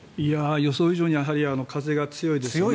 予想以上に風が強いですね。